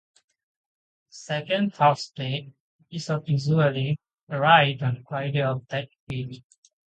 The second Thursday episode usually aired on Friday of that week.